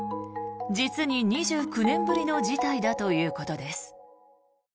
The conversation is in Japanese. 実に２９年ぶりの事態だということです。